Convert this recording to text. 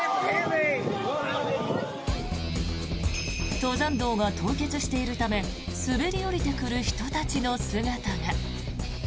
登山道が凍結しているため滑り降りてくる人たちの姿が。